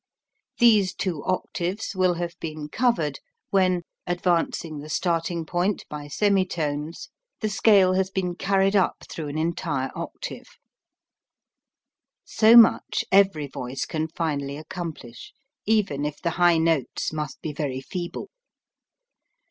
These two octaves will have been covered/ when, advancing the starting point by semitones, the scale has been carried up through an 248 HOW TO SING entire octave. So much every voice can finally accomplish, even if the high notes must be very feeble.